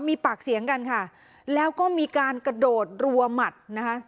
มีปากเสียงกันค่ะแล้วก็มีการกระโดดรัวหมัดนะคะ